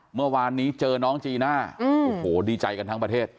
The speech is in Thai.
เมื่อวานนี้เจอน้องจีน่าโอ้โหดีใจกันทั้งประเทศ